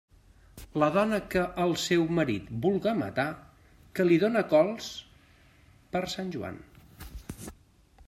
La dona que al seu marit vulga matar, que li done cols per Sant Joan.